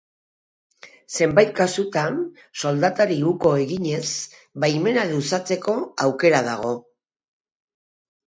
Zenbait kasutan soldatari uko eginez baimena luzatzeko aukera dago.